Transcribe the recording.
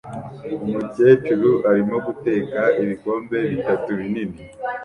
Umukecuru arimo guteka ibikombe bitatu binini